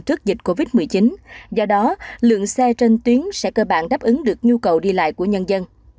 trước dịch covid một mươi chín do đó lượng xe trên tuyến sẽ cơ bản đáp ứng được nhu cầu đi lại của nhân dân